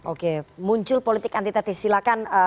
oke muncul politik antitesis silahkan